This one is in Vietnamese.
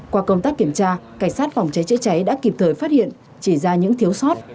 qua công tác kiểm tra cảnh sát phòng cháy chữa cháy đã kịp thời phát hiện chỉ ra những thiếu sót